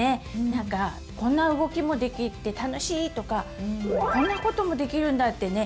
なんかこんな動きもできて楽しいとかこんなこともできるんだってね